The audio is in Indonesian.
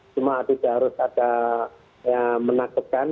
cuma tidak harus ada yang menakutkan